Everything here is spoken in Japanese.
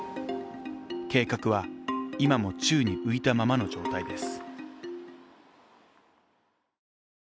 計画は今も宙に浮いたままの状態です。